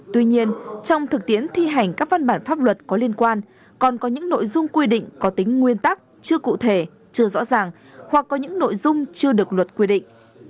tuy nhiên trong thực tiễn thi hành các văn bản pháp luật có liên quan còn có những nội dung quy định có tính nguyên tắc chưa cụ thể chưa rõ ràng hoặc có những nội dung chưa được luật quy định